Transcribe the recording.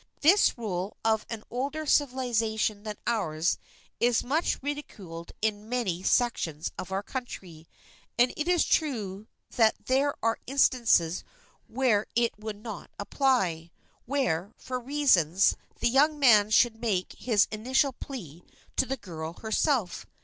This rule of an older civilization than ours is much ridiculed in many sections of our country; and it is true that there are instances where it would not apply, where, for reasons, the young man should make his initial plea to the girl herself.